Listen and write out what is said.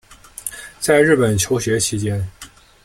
在日本求学期间